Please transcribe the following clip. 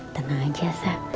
tenang aja sa